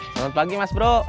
selamat pagi mas bro